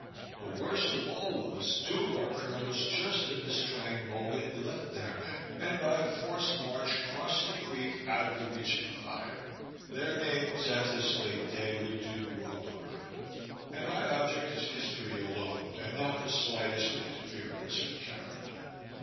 The worst of all was, two of our colonels just at this trying moment left their men, and by a forced march, crossed the creek out of the reach of the fire. Their names, at this late day, would do the world no good, and my object is history alone, and not the slightest interference with character.